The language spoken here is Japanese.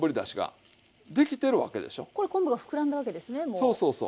そうそうそう。